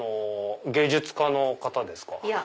芸術家の方ですか？